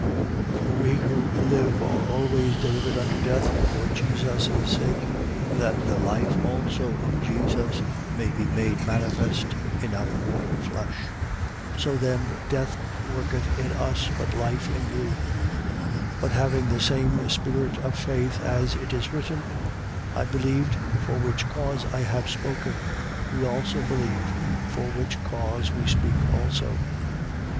4:11. For we who live are always delivered unto death for Jesus' sake: that the life also of Jesus may be made manifest in our mortal flesh. 4:12. So then death worketh in us: but life in you. 4:13. But having the same spirit of faith, as it is written: I believed, for which cause I have spoken; we also believe. For which cause we speak also: 4:14.